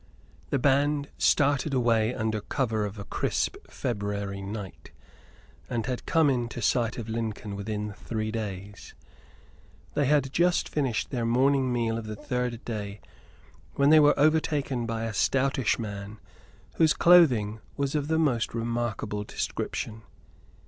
The band started away under cover of a crisp February night, and had come into sight of Lincoln within three days. They had just finished their morning meal of the third day when they were overtaken by a stoutish man whose clothing was of the most remarkable description.